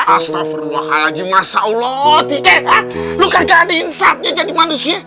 astaghfirullahaladzim masa lo tika lo kagak ada insafnya jadi manusia